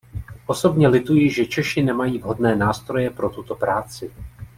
Osobně lituji, že Češi nemají vhodné nástroje pro tuto práci.